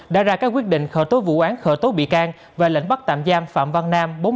đã ra các quyết định khởi tố vụ án khởi tố bị can và lệnh bắt tạm giam phạm văn nam